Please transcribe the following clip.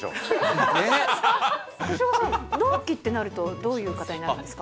越岡さん、同期ってなるとどういう方になるんですか？